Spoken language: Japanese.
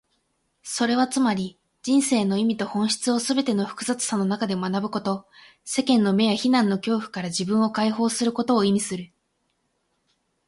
それはつまり、人生の意味と本質をすべての複雑さの中で学ぶこと、世間の目や非難の恐怖から自分を解放することを意味する。